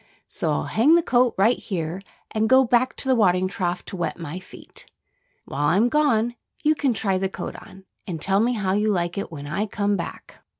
So I'll hang the coat right here and go back to the watering trough to wet my feet. While I'm gone you can try the coat on, and tell me how you like it when I come back."